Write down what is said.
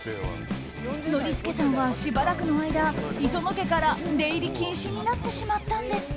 ノリスケさんは、しばらくの間磯野家から出入り禁止になってしまったんです。